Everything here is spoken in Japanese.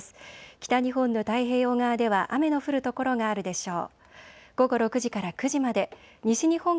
北日本の太平洋側では雨の降る所があるでしょう。